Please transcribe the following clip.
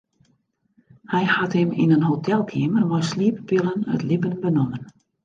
Hy hat him yn in hotelkeamer mei slieppillen it libben benommen.